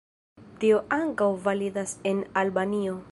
Tio ankaŭ validas en Albanio.